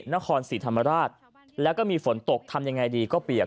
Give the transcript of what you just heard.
นครศรีธรรมราชแล้วก็มีฝนตกทำยังไงดีก็เปียก